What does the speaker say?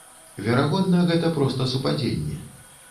Верагодна, гэта проста супадзенне.